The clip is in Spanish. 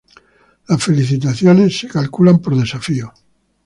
Las felicitaciones se calculan por desafío.